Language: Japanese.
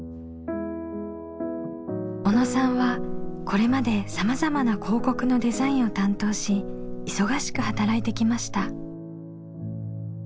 小野さんはこれまでさまざまな広告のデザインを担当し忙しく働いてきました。